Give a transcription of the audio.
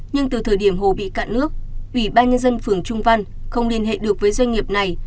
nhưng từ thời điểm hồ bị cạn nước ủy ban nhân dân phường trung văn không liên hệ được với doanh nghiệp này